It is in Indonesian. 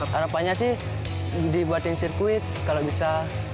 harapannya sih dibuatin sirkuit kalau bisa